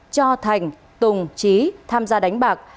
cho thành tùng trí tham gia đánh bạc